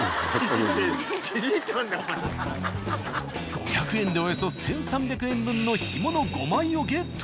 ５００円でおよそ１，３００円分の干物５枚をゲット。